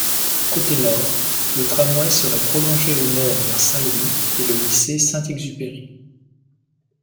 Côté nord, le tramway serait prolongé au Nord vers Saint-Louis et le lycée Saint-Exupéry.